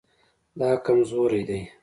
دا کمزوری دی